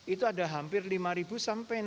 itu ada hampir lima sampai lima kendaraan